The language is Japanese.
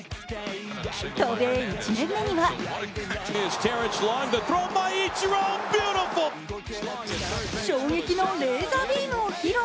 渡米１年目には衝撃のレーザービームを披露。